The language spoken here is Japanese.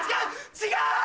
違う！